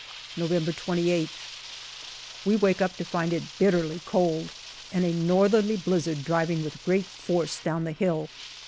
November 28th. We wake up to find it bitterly cold and a northerly blizzard driving with great force down the Hill.